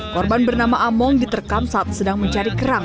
korban bernama among diterkam saat sedang mencari kerang